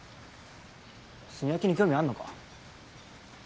炭焼きに興味あんのか？